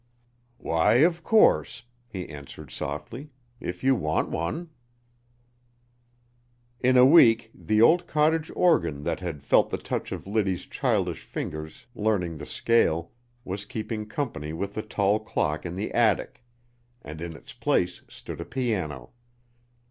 "Why, of course," he answered softly, "if you want one." In a week the old cottage organ that had felt the touch of Liddy's childish fingers learning the scale, was keeping company with the tall clock in the attic, and in its place stood a piano.